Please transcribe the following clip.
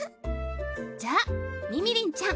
じゃあみみりんちゃん。